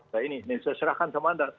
saya ini ini saya serahkan sama anda